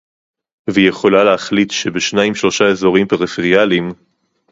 והיא יכולה להחליט שבשניים-שלושה אזורים פריפריאליים